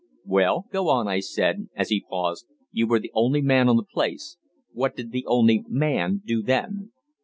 "Well, go on," I said, as he paused. "You were the only man on the place. What did the only 'man' do then?"